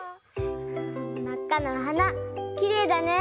まっかなおはなきれいだね。